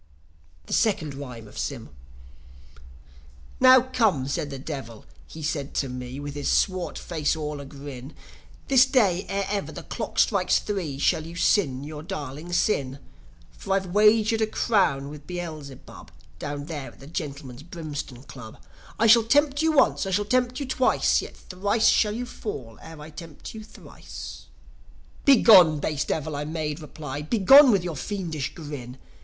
THE SECOND RHYME OF SYM "Now come," said the Devil, he said to me, With his swart face all a grin, "This day, ere ever the clock strikes three, Shall you sin your darling sin. For I've wagered a crown with Beelzebub, Down there at the Gentlemen's Brimstone Club, I shall tempt you once, I shall tempt you twice, Yet thrice shall you fall ere I tempt you thrice." "Begone, base Devil!" I made reply "Begone with your fiendish grin!